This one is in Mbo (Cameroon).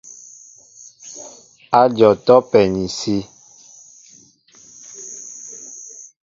Ádyɔŋ atɔ́' á pɛ ni sí.